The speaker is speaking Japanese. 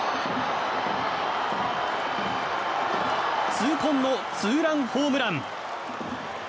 痛恨のツーランホームラン。